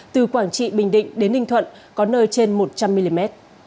từ quảng trị bình định đến ninh thuận có nơi trên một trăm linh mm